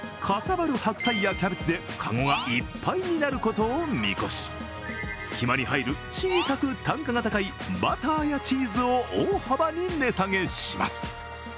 かさばる白菜やキャベツで籠がいっぱいになることを見越し隙間に入る小さく単価が高いバターやチーズを大幅に値下げします。